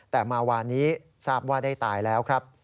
แต่มาวานนี้ทราบว่าได้ตายแล้วครับ